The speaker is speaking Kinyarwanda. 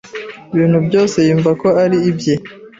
ibintu byose yumva ko ari ibye,